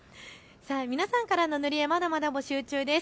皆さんからの塗り絵、まだまだ募集中です。